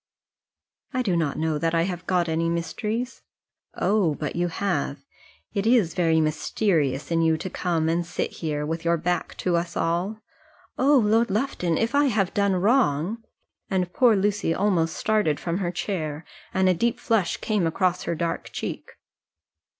"I do not know that I have got any mysteries." "Oh, but you have! It is very mysterious in you to come and sit here, with your back to us all " "Oh, Lord Lufton; if I have done wrong !" and poor Lucy almost started from her chair, and a deep flush came across her dark cheek.